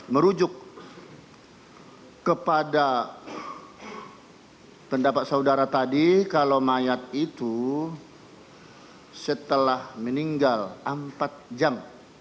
merujuk kepada pendapat saudara tadi kalau mayat itu setelah meninggal empat jam